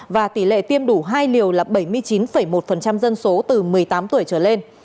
và tỷ lệ tiêm đủ hai liều là bảy mươi chín một dân số từ một mươi tám tuổi trở lên